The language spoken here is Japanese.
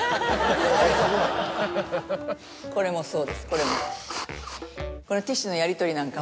これもそうですこれも。